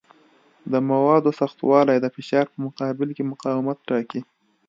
د موادو سختوالی د فشار په مقابل کې مقاومت ټاکي.